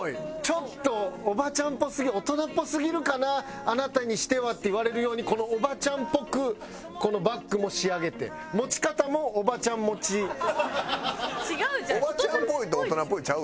ちょっとおばちゃんっぽすぎる「大人っぽすぎるかなあなたにしては」って言われるようにおばちゃんっぽくこのバッグも仕上げて持ち方も「おばちゃんっぽい」と「大人っぽい」ちゃうで。